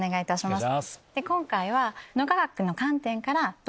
今回は。